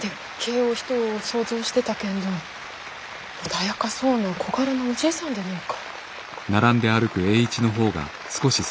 お人を想像してたけんど穏やかそうな小柄のおじいさんでねぇか。